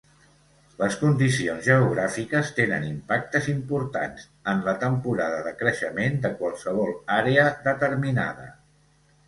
Les condicions geogràfiques tenen impactes importants en la temporada de creixement de qualsevol àrea determinada.